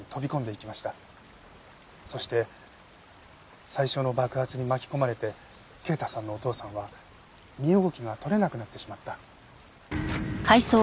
そして最初の爆発に巻き込まれて慶太さんのお父さんは身動きが取れなくなってしまった。